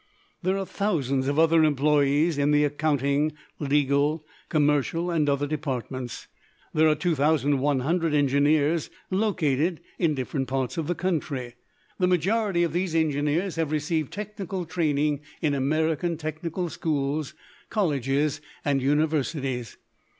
There are thousands of other employees in the accounting, legal, commercial and other departments. There are 2,100 engineers located in different parts of the country. The majority of these engineers have received technical training in American technical schools, colleges, and universities.